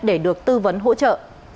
để được tư vấn hỗ trợ